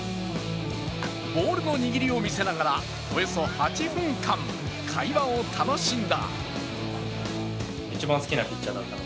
ボールの握りを見せながら、およそ８分間、会話を楽しんだ。